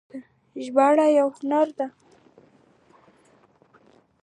ژباړه یو هنر دی